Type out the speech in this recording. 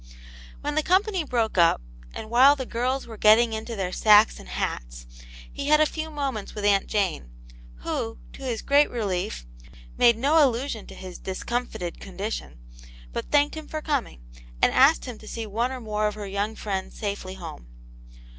When the company broke up, and while the girls were getting into their sacks and hats, he had a few moments with Aunt Jane, who, to his great relief, made no aJJusion to his discomfited condition, but thanked him for coming, and asked \i\rcv. Vo ^^^ owe Aunt Janets Hero. 23 or more of her young friends safely home.